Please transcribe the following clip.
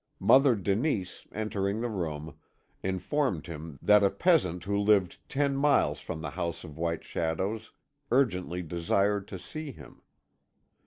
Mother Denise, entering the room, informed him that a peasant who lived ten miles from the House of White Shadows urgently desired to see him.